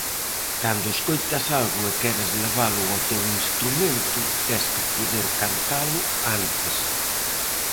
Cando escoitas algo e queres levalo ao teu instrumento tes que poder cantalo antes.